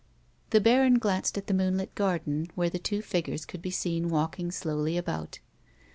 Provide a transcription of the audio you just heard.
The baron glanced at the moonlit garden, where the two figures could be seen walking slowly about.